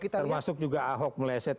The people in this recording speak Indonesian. termasuk juga ahok meleset